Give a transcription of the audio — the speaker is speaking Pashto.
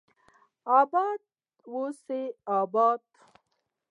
اباد اوسي اباد